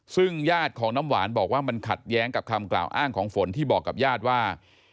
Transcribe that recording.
ซึ่งญาติของน้ำหวานบอกว่ามันขัดแย้งกับคำกล่าวอ้างของฝนที่บอกกับญาติว่า